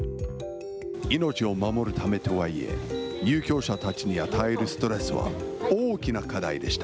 命を守るためとはいえ、入居者たちに与えるストレスは大きな課題でした。